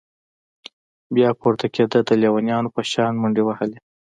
بيا پورته كېده د ليونيانو په شان منډې وهلې.